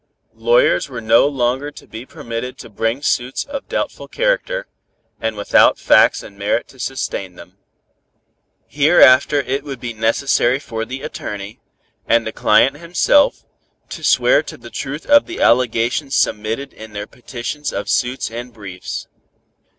Lawyers were no longer to be permitted to bring suits of doubtful character, and without facts and merit to sustain them. Hereafter it would be necessary for the attorney, and the client himself, to swear to the truth of the allegations submitted in their petitions of suits and briefs.